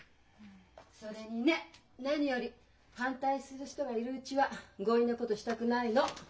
それにね何より反対する人がいるうちは強引なことしたくないの。